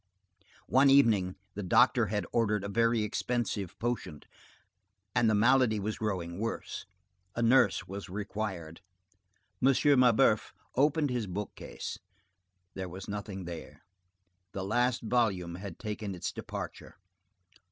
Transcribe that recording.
One evening, the doctor had ordered a very expensive potion. And the malady was growing worse; a nurse was required. M. Mabeuf opened his bookcase; there was nothing there. The last volume had taken its departure.